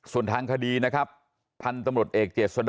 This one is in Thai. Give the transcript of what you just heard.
ส่วนทางคดีนะครับท่านตำรวจเอกเจ็ดสดายางนอก